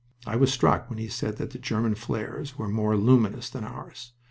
I was struck when he said that the German flares were more "luminous" than ours.